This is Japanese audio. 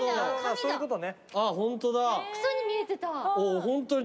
そういうことね。